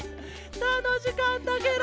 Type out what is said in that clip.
たのしかったケロ。